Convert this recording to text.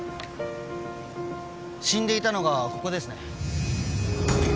死んでいたのがここですね。